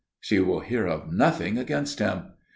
"She will hear of nothing against him."